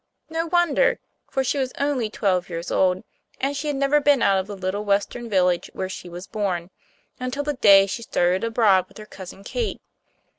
No wonder, for she was only twelve years old, and she had never been out of the little Western village where she was born, until the day she started abroad with her Cousin Kate.